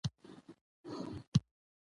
مور باید ماشوم ته په وخت واکسین وکړي۔